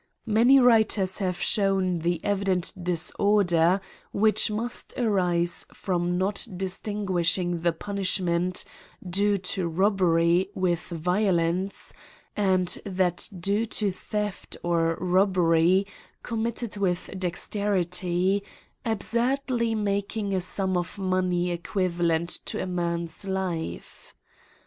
Many writers have shewn the evident disorder %vhich must arise from not distinguishing the pun ■ I ■ ishment due to robbery with violence^ and that due to tfieft or robbery committed with de^fteri ty, absurdly making a sum of money equivalent to a man's life.